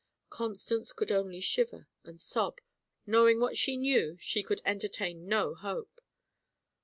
Constance could only shiver and sob. Knowing what she knew, she could entertain no hope.